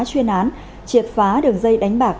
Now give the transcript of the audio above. chuyên án triệp phá đường dây đánh bạc